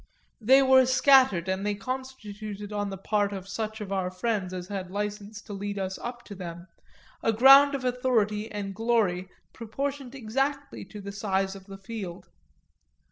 They were scattered and they constituted on the part of such of our friends as had license to lead us up to them a ground of authority and glory proportioned exactly to the size of the field.